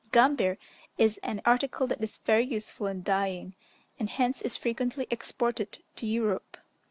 Gambir is an article that is very useful in dyeing, and hence is frequently exported to Europe.